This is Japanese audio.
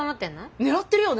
狙ってるよね